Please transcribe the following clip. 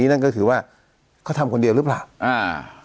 นั่นก็คือว่าเขาทำคนเดียวหรือเปล่าอ่า